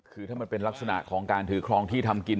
คือถ้ามันเป็นลักษณะของการถือครองที่ทำกิน